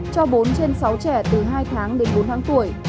cho bốn trên sáu trẻ từ hai tháng đến bốn tháng tuổi